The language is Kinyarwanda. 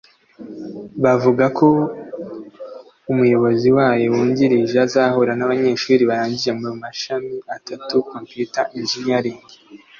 buvuga ko umuyobozi wayo wungirije azahura n’abanyeshuri barangije mu mashami atatu ( Computer Engineering